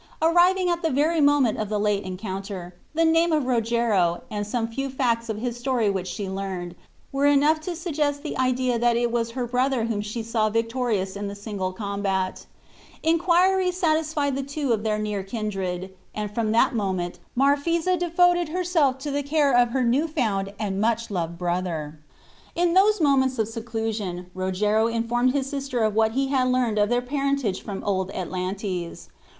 Arriving at the very moment of the late encounter, the name of Rogero, and some few facts of his story which she learned, were enough to suggest the idea that it was her brother whom she saw victorious in the single combat. Inquiry satisfied the two of their near kindred, and from that moment Marphisa devoted herself to the care of her new found and much loved brother. In those moments of seclusion Rogero informed his sister of what he had learned of their parentage from old Atlantes.